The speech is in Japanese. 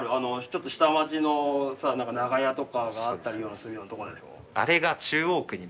ちょっと下町のさ長屋とかがあったりするようなとこでしょ？